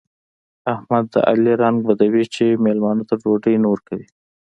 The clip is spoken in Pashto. احمد د علي رنګ بدوي چې مېلمانه ته ډوډۍ نه ورکوي.